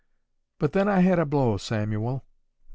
—But then I had a blow, Samuel.